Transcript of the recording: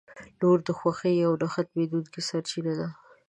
• لور د خوښۍ یوه نه ختمېدونکې سرچینه ده.